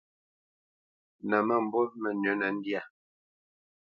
Nə̌ məmbu mənʉ̌nə ndyâ,